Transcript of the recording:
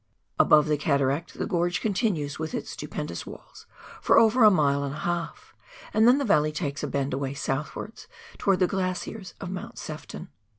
Above the cataract the gorge con tinues with its stupendous walls for over a mile and a half, and then the valley takes a bend away southwards, toward the glaciers of Mount Sefton.